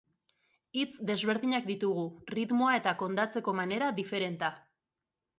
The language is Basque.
Hitz desberdinak ditugu, ritmoa eta kondatzeko manera diferenta.